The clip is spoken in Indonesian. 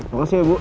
makasih ya bu